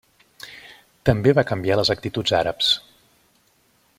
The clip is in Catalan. També va canviar les actituds àrabs.